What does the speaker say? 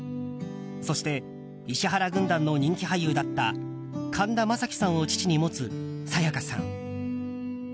そして、石原軍団の人気俳優だった神田正輝さんを父に持つ沙也加さん。